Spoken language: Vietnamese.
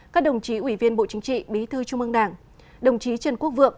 các đồng chí ủy viên bộ chính trị bí thư trung ương đảng đồng chí trần quốc vượng